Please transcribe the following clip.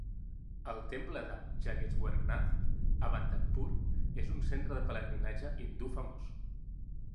El temple de Jageshwarnath a Bandakpur és un centre de pelegrinatge hindú famós.